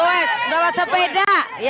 goes bawah sepeda